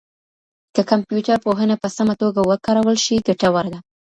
که کمپيوټر پوهنه په سمه توګه وکارول شي، ګټوره ده.